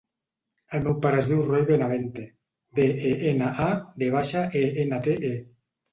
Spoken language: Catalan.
El meu pare es diu Roi Benavente: be, e, ena, a, ve baixa, e, ena, te, e.